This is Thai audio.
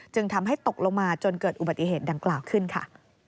ทำให้ตกลงมาจนเกิดอุบัติเหตุดังกล่าวขึ้นค่ะ